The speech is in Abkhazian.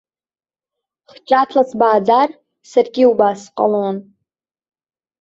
Хҷаҭла сбааӡар, саргьы убас сҟалон.